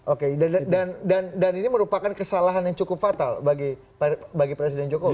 oke dan ini merupakan kesalahan yang cukup fatal bagi presiden jokowi